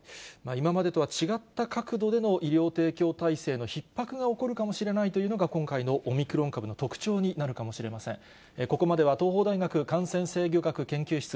今までとは違った角度での医療提供体制のひっ迫が起こるかもしれないというのが、今回のオミクロン株の特徴になるかもしれません。